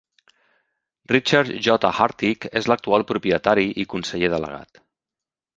Richard J. Hartig és l'actual propietari i conseller delegat.